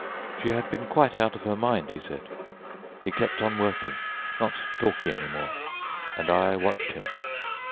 She had been quite out of her mind, he said. He kept on working, not talking any more, and I watched him.